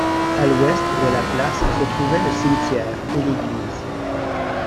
À l'ouest de la place se trouvaient le cimetière et l'église.